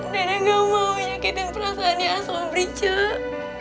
dede gak mau nyakitin perasaannya sobri cok